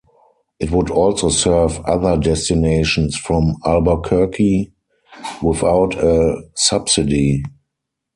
It would also serve other destinations from Albuquerque without a subsidy.